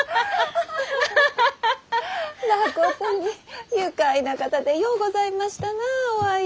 まことに愉快な方でようございましたなあ於愛。